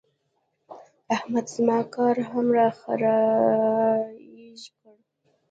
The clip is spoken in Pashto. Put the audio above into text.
احمد زما کار هم را خرېړی کړ.